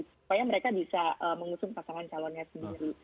supaya mereka bisa mengusung pasangan calonnya sendiri